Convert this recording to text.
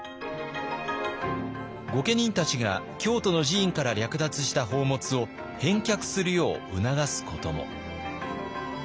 御家人たちが京都の寺院から略奪した宝物を返却するよう促すことも。